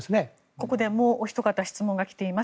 ここでもうお一人質問が来ています。